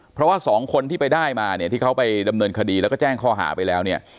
เพราะว่าสองคนที่ไปได้มาเนี่ยที่เขาไปดำเนินคดีแล้วก็แจ้งข้อหาไปแล้วเนี่ย